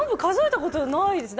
数えたことないです。